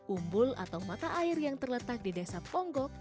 umbul atau mata air yang terletak di desa ponggok